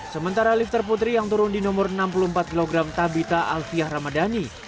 sementara lifter putri yang turun di nomor enam puluh empat kg tabita alfiah ramadhani